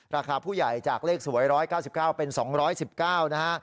ราคาผู้ใหญ่จากเลขสวย๑๙๙เป็น๒๑๙นะฮะ